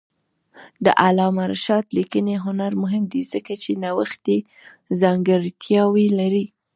د علامه رشاد لیکنی هنر مهم دی ځکه چې نوښتي ځانګړتیاوې لري.